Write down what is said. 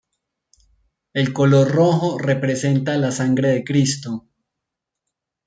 El color rojo representa la sangre de Cristo.